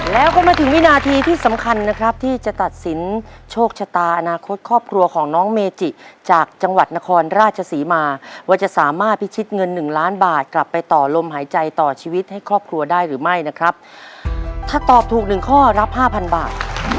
แล้วก็มาถึงวินาทีที่สำคัญนะครับที่จะตัดสินโชคชะตาอนาคตครอบครัวของน้องเมจิจากจังหวัดนครราชศรีมาว่าจะสามารถพิชิตเงินหนึ่งล้านบาทกลับไปต่อลมหายใจต่อชีวิตให้ครอบครัวได้หรือไม่นะครับถ้าตอบถูกหนึ่งข้อรับห้าพันบาท